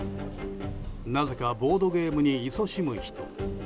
なぜかボードゲームに勤しむ人。